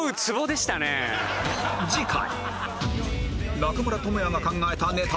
次回